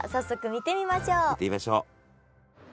見てみましょう。